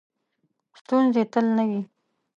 ستونزې تل نه وي .